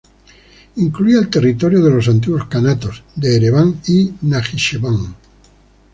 Incluía el territorio de los antiguos kanatos de Ereván y Najicheván.